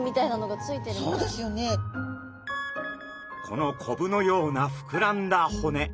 このコブのようなふくらんだ骨。